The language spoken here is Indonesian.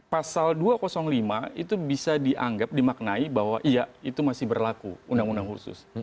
pasal dua ratus lima itu bisa dianggap dimaknai bahwa iya itu masih berlaku undang undang khusus